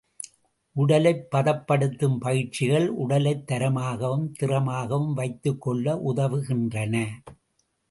உடலைப் பதப்படுத்தும் பயிற்சிகள் உடலைத் தரமாகவும், திறமாகவும் வைத்துக்கொள்ள உதவுகின்றன.